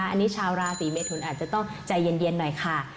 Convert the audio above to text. อันนี้ชาวราศีเมทุนอาจจะต้องใจเย็นหน่อยค่ะ